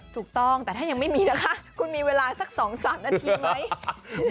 ถูกต้องแต่ถ้ายังไม่มีนะคะคุณมีเวลาสัก๒๓นาทีไหม